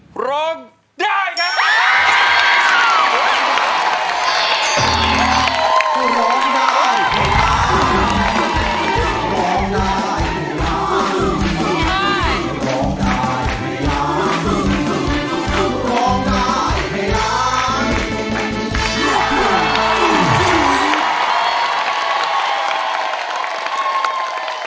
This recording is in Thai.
โครงใจโครงใจโครงใจ